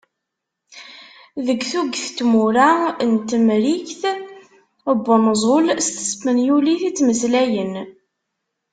Deg tuget n tmura n Temrikt n Wenẓul s tespenyult i ttmeslayen.